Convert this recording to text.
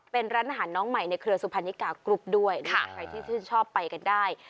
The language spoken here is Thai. เป็นร้านอาหารน้องใหม่ในเครือสุพรรณิกากรุ๊ปด้วยหรือใครที่ชื่นชอบไปกันได้